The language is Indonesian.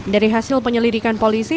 dari hasil penyelidikan polisi